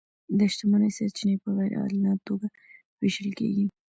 د شتمنۍ سرچینې په غیر عادلانه توګه وېشل کیږي.